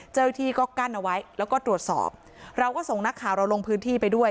เจ้าหน้าที่ก็กั้นเอาไว้แล้วก็ตรวจสอบเราก็ส่งนักข่าวเราลงพื้นที่ไปด้วย